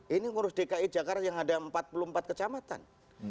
ini ngurus dki jakarta yang ada empat puluh empat kecamatan